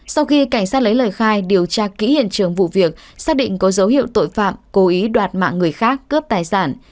sau khi cảnh sát lấy lời khai điều tra kỹ hiện trường vụ việc xác định có dấu hiệu tội phạm cố ý đoạt mạng người khác cướp tài sản